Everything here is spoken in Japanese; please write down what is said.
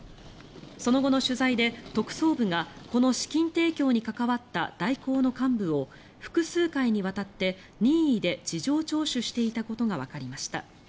その後の取材で、特捜部がこの資金提供に関わった大広の幹部を複数回にわたって任意で事情聴取していたことがわかりました。